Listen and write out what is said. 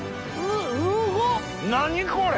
何これ！